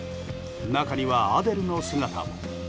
中にはアデルの姿も。